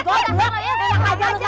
gila enak banget ya